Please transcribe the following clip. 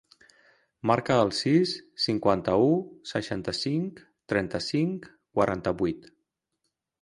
Marca el sis, cinquanta-u, seixanta-cinc, trenta-cinc, quaranta-vuit.